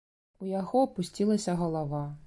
У яго апусцілася галава.